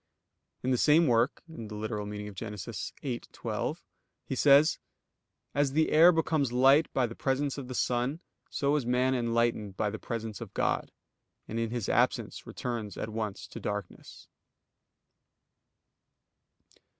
In the same work (Gen. ad lit. viii, 12) he says: "As the air becomes light by the presence of the sun, so is man enlightened by the presence of God, and in His absence returns at once to darkness."